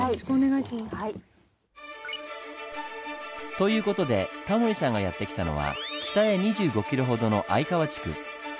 という事でタモリさんがやって来たのは北へ２５ｋｍほどの相川地区。